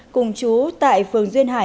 cùng chú tại phường duyên hải